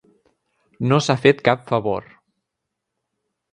No s'ha fet cap favor.